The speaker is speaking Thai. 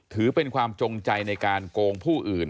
ถือเป็นความจงใจในการโกงผู้อื่น